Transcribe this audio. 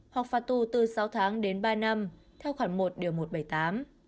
hoặc phạt tu từ sáu tháng đến ba năm theo khoảng một điều một trăm bảy mươi tám